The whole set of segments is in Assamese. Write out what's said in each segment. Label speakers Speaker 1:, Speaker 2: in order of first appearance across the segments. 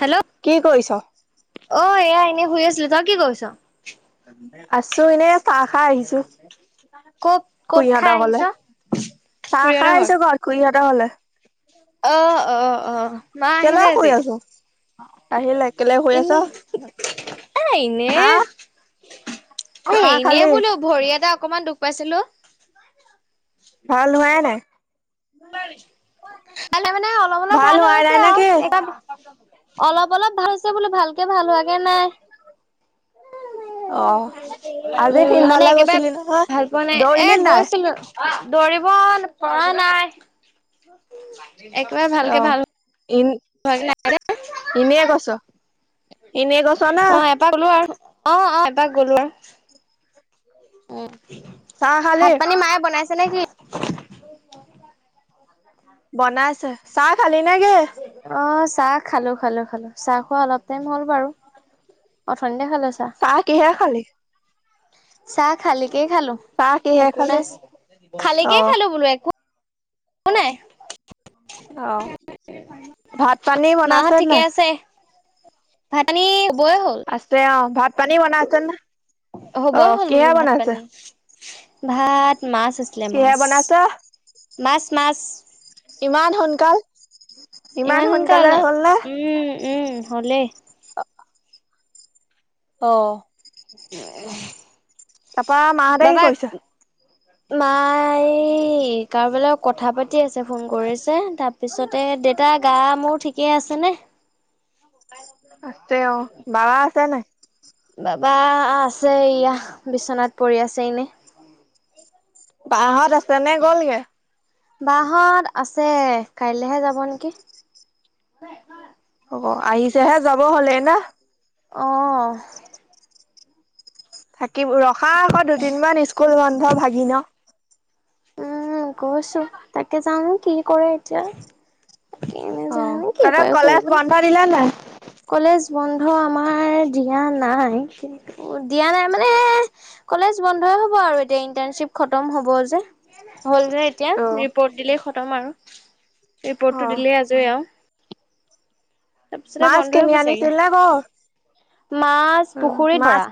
Speaker 1: হেল্ল'
Speaker 2: কি কৰিছ?
Speaker 1: অ এয়া এনে শুই আছিলো। তই কি কৰিছো?
Speaker 2: আছো এনে চাহ খাহ আহিছো।
Speaker 1: ক'ত ক'ত
Speaker 2: খুৰীহঁতক
Speaker 1: খাই
Speaker 2: ঘৰলে,
Speaker 1: আহিছ
Speaker 2: চাহ খাই
Speaker 1: খুৰীহঁতৰ ঘৰত
Speaker 2: আহিছো বাৰু খুইহঁতক ঘৰ।
Speaker 1: অ' অ' অ' মা আহিলে
Speaker 2: শুই
Speaker 1: আজি।
Speaker 2: আছ? আহিলে। কেলে শুই আছ?
Speaker 1: ইনেই। এ' এনে,
Speaker 2: হা
Speaker 1: এই
Speaker 2: চাহ
Speaker 1: এনে
Speaker 2: খালি?
Speaker 1: বোলো ভৰি এটা অকমান দুখ পাইছিলো।
Speaker 2: ভাল হোৱাই নাই।
Speaker 1: াৰি [inaudible] মানে অলপ - অলপ ভাল
Speaker 2: হোৱাই নাই
Speaker 1: হৈছে
Speaker 2: নে কি?
Speaker 1: আৰু এবাৰ অলপ অলপ ভাল বোলো, ভালকে ভাল হোৱাগে নাই।
Speaker 2: [inaudible] অ' আজি
Speaker 1: উম মানে
Speaker 2: ফিল্ডলৈ
Speaker 1: একেবাৰে
Speaker 2: গৈছিলি নহয়
Speaker 1: ভাল পোৱা নাই এ
Speaker 2: দৌৰিলি নাই?
Speaker 1: গৈছিলো দৌৰিব পৰা নাই, একেবাৰে ভালকে
Speaker 2: অহ।
Speaker 1: ভাল ভ ন [inaudible]
Speaker 2: ইনেই গৈছ? এনেই গৈছ নে?
Speaker 1: অ' এপাক গলো আৰু। অ' অ' এপাক গ'লো আৰু। উম,
Speaker 2: চাহ খালি?
Speaker 1: ভাত - পানী মায়ে বনাইছে নে কি?
Speaker 2: বনাইছে, চাহ খালি নেকি?
Speaker 1: অ চাহ খালো খালো খালো, চাহ খোৱা অলপ টাইম হল। বাৰু অথনিতে খালো চাহ,
Speaker 2: কিহে খালি?
Speaker 1: চাহ খালীকেই খালো
Speaker 2: চাহ কিহে
Speaker 1: একো
Speaker 2: খালি?
Speaker 1: নাই খালীকে
Speaker 2: অহ।
Speaker 1: খালো বোলো একো একো নাই।
Speaker 2: অ ভাত পানী
Speaker 1: মাহঁত
Speaker 2: বনাইছে
Speaker 1: ঠিকে
Speaker 2: নাই।
Speaker 1: আছে ভাত পানী হবই হ'ল
Speaker 2: আছে অ ভাত পানী বনাইছে নে। অ
Speaker 1: হ'বই হ'ল
Speaker 2: কিহে
Speaker 1: বোলো ভাত
Speaker 2: বনাইছে
Speaker 1: পানী। ভাত মাছ আছিলে
Speaker 2: কিহে
Speaker 1: মাছ
Speaker 2: বনাইছে
Speaker 1: মাছ মাছ,
Speaker 2: ইমান সোনকাল ইমান সোনকালে হ'ল নে।
Speaker 1: উম উম হ'লেই,
Speaker 2: অ
Speaker 1: [unintelligible]
Speaker 2: তাৰপৰা মাহঁতে কি
Speaker 1: বাবাক
Speaker 2: কৰিছে।
Speaker 1: মাই কাৰোবালে কথা পাতি আছে ফোন কৰিছে তা তাৰ পিছতে দেউতা গা মোৰ ঠিকে আছেনে।
Speaker 2: আছে অ বা আছে নাই।
Speaker 1: বা আছে ইয়া বিশনাত পৰি আছে ইনেই,
Speaker 2: বাহত আছে নে গ'লগে।
Speaker 1: বাহত আছে কাইলেহে যাব নেকি।
Speaker 2: অ আহিছেহে যাব হলে নে।
Speaker 1: অ
Speaker 2: কি ৰখা আকৌ দুদিনমান স্কুল বন্ধ ভাগি ন,
Speaker 1: উম, গৈছো তাকে জানো কি কৰে এতিয়া। এনে
Speaker 2: অ
Speaker 1: যান নে কি
Speaker 2: তহঁতৰ
Speaker 1: কৰা
Speaker 2: কলেজ
Speaker 1: কৰিব।
Speaker 2: বন্ধ দিলে নাই
Speaker 1: কলেজ বন্ধ আমাৰ দিয়া নাই কিন্তু দিয়া নাই মানে কলেজ কলেজ বন্ধয়ে হব আৰু এতিয়া, ইণ্টাৰ্ণশিপ খতম হ'ব যে। হ'ল যে এতিয়া
Speaker 2: অ
Speaker 1: ৰিপৰ্ট দিলেই খতম আৰু,
Speaker 2: অ
Speaker 1: ৰিপৰ্টটো দিলেই আজৰি আৰু। তাৰপিছতে
Speaker 2: মাছ
Speaker 1: বন্ধ হৈ
Speaker 2: কিনি
Speaker 1: হ'ব চাগে
Speaker 2: আনিছিল নে [unintelligible]
Speaker 1: মাছ
Speaker 2: উম
Speaker 1: পুখুৰীত
Speaker 2: মাছ
Speaker 1: ধৰা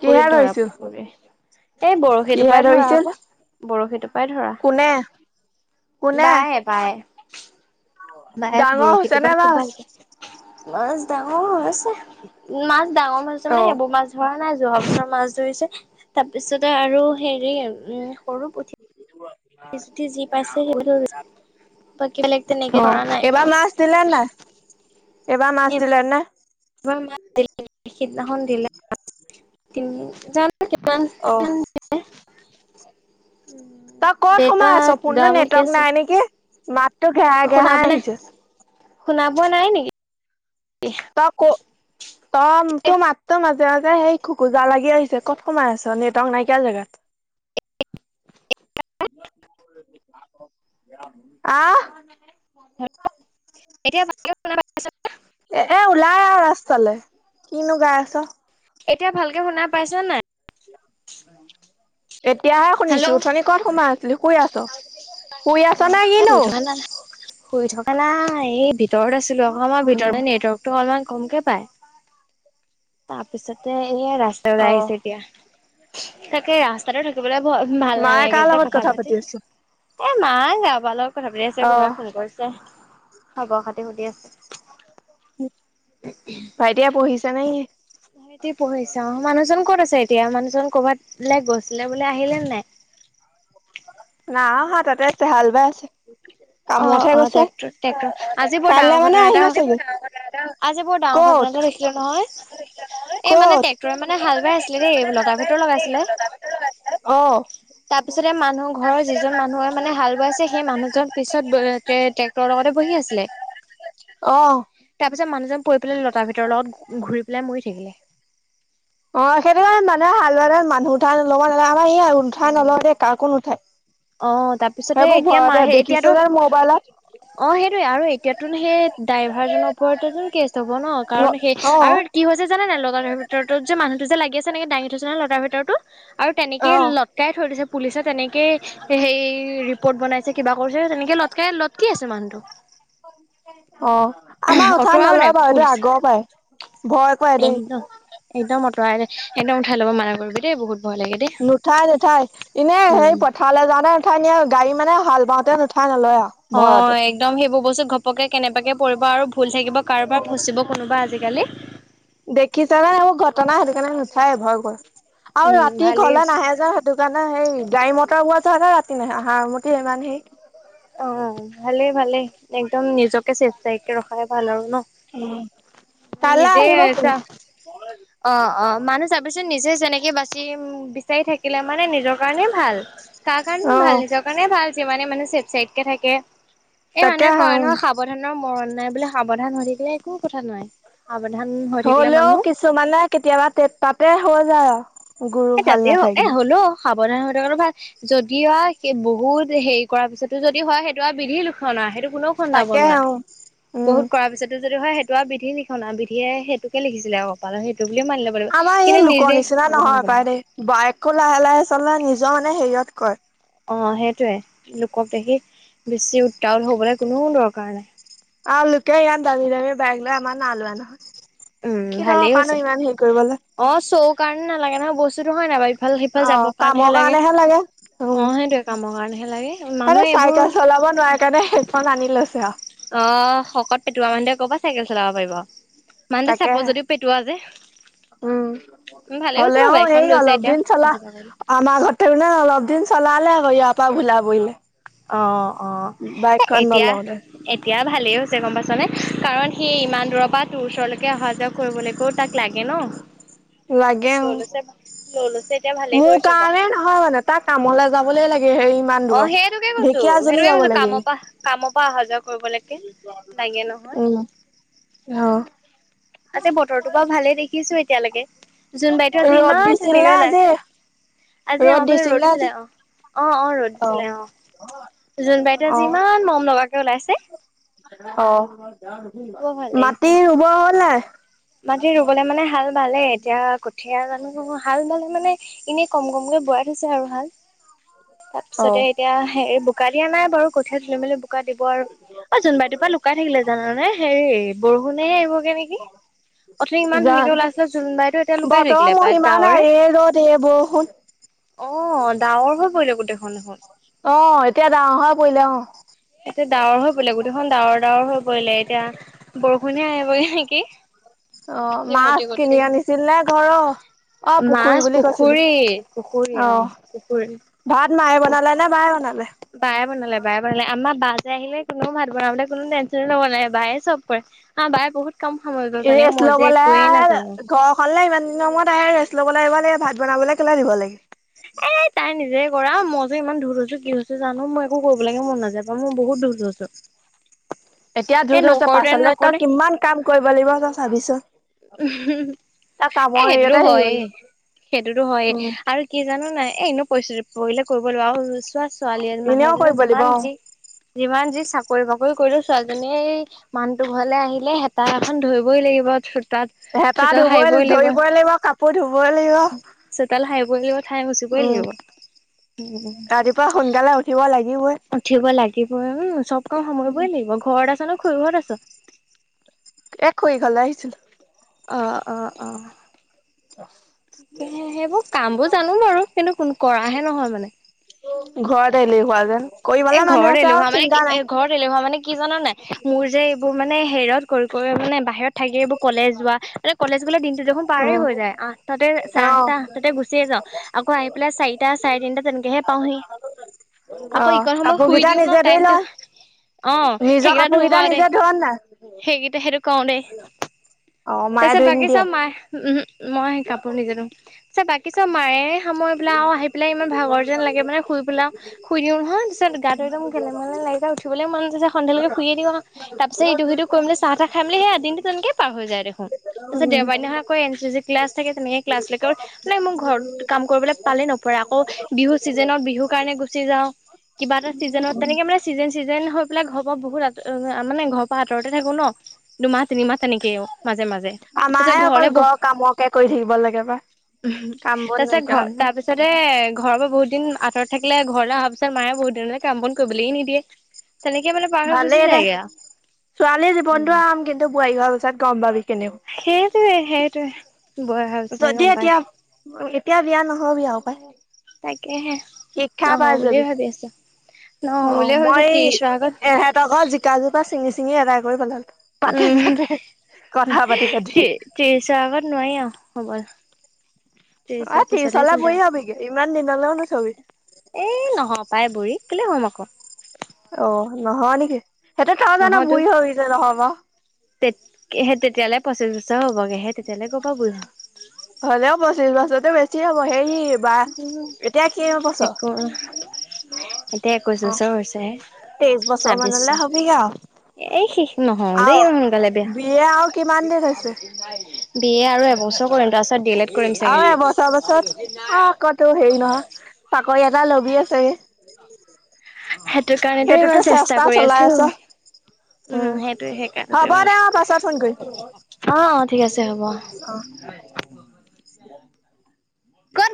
Speaker 2: কিহে
Speaker 1: ধৰা
Speaker 2: ধৰিছো
Speaker 1: পুখুৰী। এই বৰশীটোৰ
Speaker 2: কিহে
Speaker 1: পৰাই ধৰা
Speaker 2: ধৰিছিল
Speaker 1: আকৌ বৰশীটোৰ পৰাই ধৰা।
Speaker 2: কোনে কোনে
Speaker 1: বায় বায়। বায়ে
Speaker 2: ডাঙৰ
Speaker 1: বৰশীটো
Speaker 2: হৈছে নে
Speaker 1: টোপাই খুব
Speaker 2: মাছ?
Speaker 1: ভাল মাছ ডাঙৰ হৈছে, মাছ ডাঙৰ মাছ হৈছে মানে
Speaker 2: অ'।
Speaker 1: সেইবোৰ মাছ ধৰা নাই। জহা বছৰ মাছ ধৰিছে তাৰপিছতে আৰু হেৰি উম সৰু পুথ
Speaker 2: [unintelligible]
Speaker 1: টি জুতি যি পাইছে [unintelligible] বেলেগ তেনেকে
Speaker 2: অ',
Speaker 1: ধৰা নাই
Speaker 2: এবাৰ মছ দিলে নে? এবাৰ মাছ দিলে নে?
Speaker 1: মাৰ ম সিদিনাখন দিলে [unintelligible] জানো
Speaker 2: অ'।
Speaker 1: কিমান [unintelligible]
Speaker 2: তই কত
Speaker 1: দেউতা
Speaker 2: সোমাই আছ
Speaker 1: গা
Speaker 2: পূৰ্ণ
Speaker 1: মূৰ ঠিকে
Speaker 2: নেটৱৰ্ক
Speaker 1: আছে
Speaker 2: নাই নেকি মাতো ঘেহাই
Speaker 1: শুনা
Speaker 2: ঘেহাই
Speaker 1: পোৱা নাই
Speaker 2: আহিছে।
Speaker 1: শুনা পোৱা নাই নেকি?
Speaker 2: ত ক'ত, তই, তোৰ মাতটা মাজ তেনেকে সেই খুোকোজা লাগি আহিছে ক'ত কমাই আছ নেটৱৰ্ক নাইকিয়া জেগাত। [unintelligible] আহ!
Speaker 1: এতিয়া ভালকে শুনা পাইছ নে?
Speaker 2: এ এ ওলাই আৰু ৰাস্তালৈ, কিনো গাই আছ।
Speaker 1: এতিয়া ভালকে শুনা পাইছ নাই?
Speaker 2: এতিয়াহে
Speaker 1: হেল্ল'
Speaker 2: শুনিছো অথনি কত সোমাই আছিলি? শুই আছ? শুই আছ নে
Speaker 1: এ শুই
Speaker 2: কিনো?
Speaker 1: থকা নাই। শুই থকা নাই, এই ভিতৰত আছিলো আক, ভিতৰতে নেটৱৰ্কতটো অলমান কমকে পাই। তাৰপিছতে এ ৰাস্তা ওলাই
Speaker 2: অ'।
Speaker 1: আহিছে এতিয়া। তাকে ৰাস্তাটো থাকিবলৈ ভাল
Speaker 2: মায়ে
Speaker 1: নালাগে
Speaker 2: কাৰ
Speaker 1: যে
Speaker 2: লগত
Speaker 1: কথা পাতি।
Speaker 2: আছে?
Speaker 1: এ মায়ে কাৰবাৰ লগত কথা পাতি আছে
Speaker 2: অ'।
Speaker 1: কোনোবাই ফোন কৰিছে। খবৰ খাতি সুধি আছে।
Speaker 2: ভাইটিয়ে পঢ়িছে নে কি?
Speaker 1: ভাইটি পঢ়িছা অঁ। মানুহজন ক'ত আছে? তেওঁ মানুহজন কৰবাত গৈছিলে বোলে আহিলে নাই?
Speaker 2: নাই অহা তাতে আছে, হাল বাই আছে।
Speaker 1: অ',
Speaker 2: কামতহে
Speaker 1: অ, '
Speaker 2: গৈছে।
Speaker 1: টেক্টৰ টেক্টৰ আজি বৰ
Speaker 2: কাইলৈ
Speaker 1: ডাঙৰ
Speaker 2: মানে
Speaker 1: ঘটনা এটা
Speaker 2: আহিবা চাগে।
Speaker 1: আজি বৰ ডাঙৰ
Speaker 2: ক'ত
Speaker 1: ঘটনাটো দেখিলো নহয়। এই মানে
Speaker 2: ক'ত
Speaker 1: ট্ৰেক্টৰে মানে হাল বাই আছিলে দেই লতাৰ ভিতৰ লগাইছিলে
Speaker 2: অ
Speaker 1: তাৰপিছতে মানুহ ঘৰৰ যিজন মানুহে মানে হাল বোৱাইছে সেই মানুহজন পিছত ট্ৰেক্টৰৰ লগতে বহি আছিলে।
Speaker 2: অ
Speaker 1: তাৰ পিছ যে মানুহজন পৰি পেলাই লতাৰ ভিতৰ লগত ঘূৰি পেলাই মৰি থাকিলে।
Speaker 2: অ', সেইটো কাৰণে মানুহে হাল বালে মানুহ উঠাই লব নালাগে স উঠাই নল
Speaker 1: অ'।
Speaker 2: দে কাকো নুঠাই
Speaker 1: অ', তাৰপিছতে
Speaker 2: সেইবোৰ
Speaker 1: এতিয়া মা
Speaker 2: ঘততে
Speaker 1: সেই এতিয়াতো
Speaker 2: দেখিছে নহয় মোবাইলত
Speaker 1: অ', সেইটোয়ে আৰু এতিয়াতটোনো সেই ড্ৰাইভাৰজনৰ ওপৰতেটো কেছ হ'ব ন, কাৰণ সেই
Speaker 2: অ
Speaker 1: আৰু কি হয় হৈছে জানে নাই ল'ৰা ধৰ ভিতৰতো যোনুহটো যে লাগে তেনেকে দাঙি থৈছে নে লতাৰ ভিতৰতো আৰু তেনেকে
Speaker 2: অ
Speaker 1: লটকাই থৈ দিছে পুলিচে তেনেকে সেই ৰিপৰ্ট বনাইছে কিবা কৰিছে তেনেকে লতকে কি আছে মানুহটো?
Speaker 2: অ', আমাৰ উঠাত
Speaker 1: অঁতৰাও নাই
Speaker 2: নলয় বাৰু এইটো
Speaker 1: পুলিচে
Speaker 2: আগৰ পৰাই-। ভয় কৰে দেই
Speaker 1: একদম একদম আঁতৰাই দে একদম উঠাই ল'ব মানা কৰিবি দে বহুত ভয় লাগে দেই
Speaker 2: নুঠাই নুঠাই এনে সেই
Speaker 1: উম।
Speaker 2: পথাৰলে যাওঁতে নুঠাই নিয়ে গাড়ী মানে হাল বাওঁতে নুঠাই ন
Speaker 1: অ একদম সেইবোৰ বস্তুত ঘপ পকে কেনেবাকে পৰিব আৰু ভুল থাকিব কাৰোবাৰ
Speaker 2: অ
Speaker 1: ফচিব কোনোবা আজিকালি
Speaker 2: কি জানা আও ঘটনা সেটো চাই ভয় কৰ আও
Speaker 1: উম
Speaker 2: ৰাতি
Speaker 1: ভালেই
Speaker 2: ঘৰলে
Speaker 1: হৈছে
Speaker 2: নাহে যে সেইটো কাৰণে সেই গাড়ী মটৰ গোৱা যোৱা না ৰাতি নহয় আহাৰ মঠ ইমান সেই
Speaker 1: অ', ভালে ভালে একদম নিজকে চেফ চাইডকে ৰখাই ভাল আৰু ন?
Speaker 2: উ, কাইলে
Speaker 1: নিজে
Speaker 2: আহিব
Speaker 1: চা
Speaker 2: তুমি।
Speaker 1: অ', অ', মানুহ চাবিচোন নিজে যেনেকে বাচি াই থাকিলে মানে নিজৰ কাৰণে ভাল। কাৰ কাৰণে
Speaker 2: অ
Speaker 1: ভাল নিজৰ কাৰণে ভাল যিমানে মানুহ চেফ চাইডকে থাকে। এই
Speaker 2: তাকে
Speaker 1: মানুহে কয় নহয় সাৱধানৰ মৰণ নাই বোলে সাৱধান হৈ থাকিলে একো কথা নোৱাই। আগ
Speaker 2: হলেও কিছুমানে কেতিয়াবা তে তাতে হৈ যায় আও।
Speaker 1: এ তাতে হ এ হলৌ সাৱধান হৈ থকাটো ভাল যদি আ সে বহুত হেৰি কৰাৰ পিছতো যদি হয় সেইটো আ বিধি লোকক্ষন আ সেইটো কোনো খুন্দাব
Speaker 2: তাকে
Speaker 1: নোৱাই
Speaker 2: অ উম
Speaker 1: বহুত কৰাৰ পিছতো যদি হয় সেইটো আৰু বিধি লিখন আ বিধিয়ে সেইটোকে লিখিছিলে অ কপাল সেইট টো বুলি মানি ল'ব লাগিব।
Speaker 2: আমাৰ এই
Speaker 1: কিন্তু
Speaker 2: লোকৰ
Speaker 1: নিজে
Speaker 2: নিচিনা
Speaker 1: সাৱধান
Speaker 2: নহয়
Speaker 1: হব
Speaker 2: পাই
Speaker 1: লাগে।
Speaker 2: দেই বাইকো লাহে লাহে চাহে নিজৰ মানে হেৰিয়ত কয়
Speaker 1: অ সেইটোয়ে লোকক দেখি বেছি উত্তাল হবলে কোনো দৰকাৰ নাই।
Speaker 2: আ লোকে ইয়াত দামী দামী বেইগ লৈ আমাৰ না লোৱা নহয়।
Speaker 1: উম
Speaker 2: কি
Speaker 1: ভালেই
Speaker 2: দৰকাৰ নো
Speaker 1: হৈছে
Speaker 2: ইমান হেৰি কৰিবলৈ
Speaker 1: অ চৌ কাৰণে নালাগে নহয় বস্তুতো হয় নাই বা ভাল সেফাল সিফাল
Speaker 2: অ
Speaker 1: যাবৰ
Speaker 2: কামৰ
Speaker 1: কাৰণেহে লাগে
Speaker 2: উম
Speaker 1: অ সেইটোয়ে কামৰ কাৰণেহে লাগে মানুহে এইবোৰ
Speaker 2: শুব নোৱাৰাৰে কাৰণে হেডফোন আনি লৈছে আৰু
Speaker 1: অ' শকত পেটোৱা মানুহে কবা চাইকেল চলাব পাৰিব মানুহে চাব
Speaker 2: তাকেহে
Speaker 1: যদিও পেটোৱা যে
Speaker 2: উম।
Speaker 1: ভালে হৈছে
Speaker 2: হ'লে
Speaker 1: বাৰু
Speaker 2: অ'
Speaker 1: বাইকখন
Speaker 2: এই
Speaker 1: লৈছে
Speaker 2: অলপ
Speaker 1: এতিয়া
Speaker 2: দিন চলা
Speaker 1: অহা যোৱা কৰিবলৈ।
Speaker 2: আমা ঘতে ন অলপ দিন চলা হলে [inaudible] পা ঘুলাব ই [unintelligible]
Speaker 1: অ, ' অ, ' এ এতিয়া
Speaker 2: নলওঁতে
Speaker 1: এতিয়া ভালেই হৈছে গম পাছনে কাৰণ সি ইমান দূৰৰ পৰা টুৰ্চলৈকে অহা যোৱা কৰিবলৈকেও তাক লাগে ন।
Speaker 2: [inaudible] লাগে অ'
Speaker 1: লৈ লৈছে লৈ লৈছে এতিয়া ভালেই
Speaker 2: মোৰ
Speaker 1: কৰিছে বাৰু।
Speaker 2: কাৰণে নহয় মানে তাক কামলে যাবলে লাগে। হেৰি ইমান
Speaker 1: অ
Speaker 2: দূৰৰ,
Speaker 1: সেইটোকে কৈছো
Speaker 2: ঢেকীয়াজলি
Speaker 1: সেইটোকে
Speaker 2: যাব
Speaker 1: কৈছো
Speaker 2: লাগে।
Speaker 1: কামৰ পৰা কামৰ পৰা অহা যোৱা কৰিবলৈকে লাগে নহয়
Speaker 2: অ, ' অ, '
Speaker 1: আজি বতৰটো বাৰু ভালে দেখিছো এতিয়ালৈকে। জোন বাইতো আজি
Speaker 2: ৰ'দ
Speaker 1: ইমান
Speaker 2: দিছিল
Speaker 1: ধুনীয়াকে
Speaker 2: নে
Speaker 1: ওলাই
Speaker 2: আজি
Speaker 1: আছে। আজি আমাৰ ফালে
Speaker 2: দিছিল নে
Speaker 1: ৰ'দ
Speaker 2: আজি
Speaker 1: আছিলে, অ' অ' অ' ৰ'দ দিছিলে অ' জোন বাইতে
Speaker 2: অ
Speaker 1: আজি ইমান মৰম লগকে ওলাইছে। বৰ ভাল
Speaker 2: অ'
Speaker 1: লাগিছে।
Speaker 2: মাটি ৰুব হল নাই?
Speaker 1: মাটি ৰুবলে মানে হাল বালে, এতিয়া কঠিয় জানো হাল বালে মানে এনেই কম - কমকে বোৱাই থৈছে আৰু হাল
Speaker 2: অ
Speaker 1: তাৰপিছতে এতিয়া হে বোকা দিয়া নাই বাৰু কঠীয়া তুলি মেলি বোকা দিব আৰু অ' জোনবাই কবাত লুকাই থাকিলে জানে হেৰি বৰষুণে আহিবগে নেকি। উঠনি ইমান ধুনীয়াকে
Speaker 2: জানো
Speaker 1: ওলাইছিলে জোনবাইটো এতিয়া লুকাই
Speaker 2: বতৰৰ
Speaker 1: থাকিলে প্ৰায়
Speaker 2: মহিমা নাই
Speaker 1: ডাৱৰে।
Speaker 2: এই ৰ'দ এই বৰষুণ।
Speaker 1: অ' ডাৱৰ হৈ পৰিলে গোটেইখন দেখোন।
Speaker 2: অ' এতিয়া ডাঁৱৰ হৈ পৰিলে অ'।
Speaker 1: এতিয়া ডাৱৰ হৈ পৰিলে গোটেইখন ডাৱৰ ডাৱৰ হৈ পৰিলে এতিয়া বৰষুণে আহিব গে নেকি
Speaker 2: অ
Speaker 1: যি
Speaker 2: মাছ
Speaker 1: মতি গতি
Speaker 2: কিনি
Speaker 1: দেখিছো।
Speaker 2: আনিছিল নে ঘৰ
Speaker 1: মাছ পুখুৰী পুখুৰী অ পুখুৰী
Speaker 2: ভাত মায়ে বনালে নে বায়ে বনালে
Speaker 1: বায়ে বনালে বায়ে বনালে আমাৰ বা যে আহিলে কোনো ভাত বনাবলে কোনো টেনশ্যনে নব নাই বায়ে চব কৰে আমাৰ বায়ে বহুত কাম সামৰিব
Speaker 2: এই
Speaker 1: জানে
Speaker 2: ৰেষ্ট
Speaker 1: মই যে
Speaker 2: ল'বলৈ
Speaker 1: একোৱেই
Speaker 2: আহে
Speaker 1: নাজানো
Speaker 2: ঘৰখনলে ইমান দিনৰ মূৰত আহে ৰেষ্ট ল'বলৈ আহিব ভাত বনাবলে কেলে দিব লাগে
Speaker 1: এনেই তাই নিজে কৰা মই যে ইমান দূত হৈছো কি হৈছো জানো মই একো কৰিব লেকে মোৰ মন নাযায় মো বহুত দূৰ [unintelligible]
Speaker 2: এতিয়া দূদ হৈছ পাছলে তই
Speaker 1: নকৰোতে
Speaker 2: কিমান কাম কৰিব লাগিব তই চাবিছো
Speaker 1: উম হু এ সেইটোতো
Speaker 2: হেৰিয়তে হেৰি
Speaker 1: হয়
Speaker 2: হ'ল।
Speaker 1: সেইটোতো হয়ে
Speaker 2: উম,
Speaker 1: আৰু কি জানো নাই এনে পৰিস্থিতি কৰিলে কৰিব লাগিব আও চোৱা ছোৱালী মানুহ
Speaker 2: এনেও
Speaker 1: এজনীয়ে
Speaker 2: কৰিব লাগিব
Speaker 1: যিমান
Speaker 2: অ'।
Speaker 1: যি যিমান যি চাকৰি বাকৰি কৰিলো ছোৱালীজনীয়ে এই মানুহটো ঘৰলে আহিলে হেতা এখন ধৰিবই লাগিব তাত
Speaker 2: হেতা
Speaker 1: চোতাল
Speaker 2: ধুবই
Speaker 1: সাৰিবই লাগিব
Speaker 2: ধৰিবই কাপোৰ ধুবই লাগিব।
Speaker 1: চোতাল সাৰি ঠাই মচিবই
Speaker 2: উম।
Speaker 1: লাগিব উম
Speaker 2: ৰাতিপুৱা সোনকালে উঠিব লাগিবই
Speaker 1: উঠিব লাগিব উম চব কাম সময়বই লাগিব ঘৰত [unintelligible] খুৰি ঘৰত আছ
Speaker 2: এ খুৰিঘৰলে আহিছিলো
Speaker 1: অ অ অ
Speaker 2: [unintelligible]
Speaker 1: তাকেহে সেইবোৰ কাম বোৰ জানো বাৰু কিন্তু ক কৰাহে নহয় মানে
Speaker 2: ঘৰতে এলেহুৱা যেন।
Speaker 1: এ,
Speaker 2: কৰিবলে মানুহ
Speaker 1: ঘৰত
Speaker 2: আছে আৰু
Speaker 1: এলেহুৱা মানে
Speaker 2: চিন্তা
Speaker 1: কি
Speaker 2: নাই
Speaker 1: এ ঘৰত এলেহুৱা মানে কি জানা নাই? মোৰ যে এইবোৰ মানে হেৰিয়ত কৰি কৰি মানে বাহিৰত থাকি এইবোৰ কলেজ যোৱা, কলেজ গলে দিনটো দেখোন পাৰে
Speaker 2: উম
Speaker 1: হৈ যায়। আঠটাতে,
Speaker 2: অ
Speaker 1: চাৰে আঠটা আঠটাতে গুচিয়ে যাওঁ। আকৌ আহি পেলাই চাৰিটা চাৰে তিনিটা তেনেকে হে পাওঁহি। আকৌ
Speaker 2: অ'
Speaker 1: ইকণ সময়
Speaker 2: কাপোৰ
Speaker 1: শুই
Speaker 2: কেইটা
Speaker 1: দিও ন
Speaker 2: নিজে ধুই
Speaker 1: টাইমটো
Speaker 2: লয়।
Speaker 1: অ
Speaker 2: নিজৰ
Speaker 1: সেইকেইটা
Speaker 2: কাপোৰ
Speaker 1: ধুও
Speaker 2: কেইটা
Speaker 1: বাৰু দেই
Speaker 2: নিজে ধুৱ নে?
Speaker 1: সেইকেইটা সেইটো কওঁ দেই। তাৰপিছত
Speaker 2: ধুই
Speaker 1: বাকি
Speaker 2: নিদিয়ে
Speaker 1: চব মাই। উমহো, মই কাপোৰ নিজে ধুম, [unintelligible] বাকী চব মায়ে সামৰি পেলাই আৰু আহি পেলাই ইমান ভাগৰ যেন লাগে মানে শুই পেলাও শুই দিও। তাৰপিছত গাটো একদম খেলি মেলি লাগি যায়, উঠিবলেই মন তাৰপিছত সন্ধ্যালৈকে শুইয়ে দিও আও, তাৰপিছ ইটো-সিটো কৰি মেলি চাহ-তাহ খাই মেলি সেইয়া দিনটো তেনেকে পাৰ হৈ যায় দেখোন। তাৰপিছত
Speaker 2: উম
Speaker 1: দেওবাৰ দিনাখন আকৌ এন চি চি ক্লাছ থাকে, তেনেকে ক্লাছলৈকে মানে মোৰ ঘৰত কাম কৰিবলৈ পালে নপৰে আক। আকৌ বিহু চিজেনত বিহু কাৰণে গুচি যাওঁ। কিবা এটা চিজেনত তেনেকে মানে চিজেন চিজেন হৈ পেলাই ঘৰ পৰা বহুত মানে ঘৰ পৰা আঁতৰত থাকো ন দুমাহ-তিনিমাহ। তেনেকেই অ' মাজে মাজে তাৰপিছত
Speaker 2: আমাৰহে অকল
Speaker 1: ঘৰলে বহ
Speaker 2: ঘৰৰ কামকে কৰি থাকিব লাগে পাই কাম বন
Speaker 1: তাৰ পিছত
Speaker 2: নাইকিয়া
Speaker 1: ঘ
Speaker 2: মানুহ
Speaker 1: তাৰ পিছতে ঘৰৰ পৰা বহুত দিন আত ৰত থাকিলে ঘৰলে অহাৰ পিছত মায়ে বহুত দিনলৈ কাম বন কৰিবলেই নিদিয়ে। তেনেকে মানে পাৰ হৈ গুচি
Speaker 2: ভালেই দে
Speaker 1: যায়গে আৰু
Speaker 2: ছোৱালী জীৱনটো
Speaker 1: উম।
Speaker 2: আৰাম, কিন্তু বোৱাৰী হোৱাৰ পিছত গম পাবি। [inaudible]
Speaker 1: সেইটোৱে সেইটোৱে। বয় অহাৰ পিছতহে
Speaker 2: যদি,
Speaker 1: গম পাই
Speaker 2: এতিয়া এতিয়া বিয়া নহবি আও পায়।
Speaker 1: তাকেহে
Speaker 2: শিক্ষা
Speaker 1: নহওঁ
Speaker 2: পাই
Speaker 1: বুলিয়ে
Speaker 2: যাবি।
Speaker 1: ভাবি আছো নহওঁ
Speaker 2: অ
Speaker 1: বুলিয়ে ভাবিছো
Speaker 2: মই
Speaker 1: ত্ৰিশৰ আগত
Speaker 2: এহতৰ ঘৰ জিকা জোপা চিঙি চিঙি এদাই কৰি পেলালো। পাতে
Speaker 1: উম
Speaker 2: চাতে কথা পাতি পাতি।
Speaker 1: ত্ৰিছ ৰ আগত নোৱাৰি আৰু। হ'ব।
Speaker 2: অ
Speaker 1: ত্ৰিশৰ
Speaker 2: ত্ৰিছ
Speaker 1: পিছতহে
Speaker 2: লৈ
Speaker 1: চিন্তা
Speaker 2: বুঢ়ি সবিগে ইমান দিনলৈও নথবি।
Speaker 1: এ নহম পাই বুঢ়ী, কেলে হম আকৌ।
Speaker 2: অ নহয় নেকি, সিহঁতে থও জানা বুঢ়ী হৈ যে নহব।
Speaker 1: তে স তেতিয়ালৈ পইচা চইছাৰ হ'বগে হে তেতিয়ালৈ [unintelligible]
Speaker 2: হ'লেও পঁচিশ বছৰতো বেছি এতিয়া বহে। হেৰি বা
Speaker 1: একো এতিয়া একৈচ্ছ বছৰ হৈছেহে
Speaker 2: তেইশ বছৰ
Speaker 1: ছাব্বিছ
Speaker 2: মানলে
Speaker 1: চন।
Speaker 2: হবিগে আও
Speaker 1: এই শিষ নহওঁ দেেই
Speaker 2: আও
Speaker 1: সোনকালে বেয়া।
Speaker 2: বিয়ে আও কিমান দিন হৈছে
Speaker 1: বি এ আৰু এবছৰ কৰিম তাৰছত ডি এল এড কৰিম চাগে।
Speaker 2: কত নোঁ হেৰি নহয়, চাকৰি এটা লবিয়ে চাগে।
Speaker 1: সেইটো কাৰণেতো, ইমান চেষ্টা কৰি
Speaker 2: চলাই
Speaker 1: আছো।
Speaker 2: আছ উম।
Speaker 1: উম সেইটোয়ে
Speaker 2: হ'ব দে অ' পাছত ফোন কৰিম।
Speaker 1: সেইকাৰনেটো, অ ঠিক আছে হ'ব। [inaudible]
Speaker 2: উম।
Speaker 1: গুড